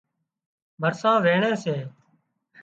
مرسان وينڻي سي